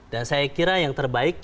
dan saya kira yang terbaik